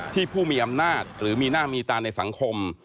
ผู้มีอำนาจหรือมีหน้ามีตาในสังคม